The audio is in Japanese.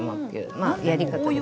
まあやり方です。